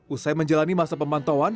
usai menjalani masa pemantauan